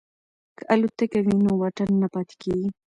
که الوتکه وي نو واټن نه پاتیږي.